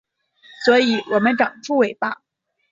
所以我们长出尾巴